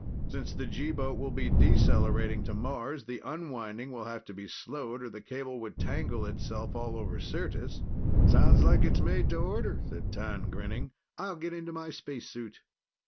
Since the G boat will be decelerating to Mars, the unwinding will have to be slowed or the cable would tangle itself all over Syrtis." "Sounds like it's made to order," said T'an, grinning. "I'll get into my spacesuit."